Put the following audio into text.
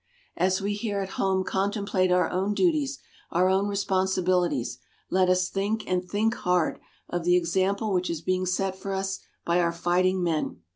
As we here at home contemplate our own duties, our own responsibilities, let us think and think hard of the example which is being set for us by our fighting men.